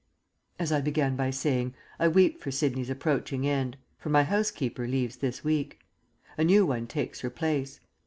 ..... As I began by saying, I weep for Sidney's approaching end. For my housekeeper leaves this week. A new one takes her place.